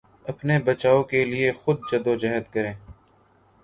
اپنے بچاؤ کے لیے خود جدوجہد کریں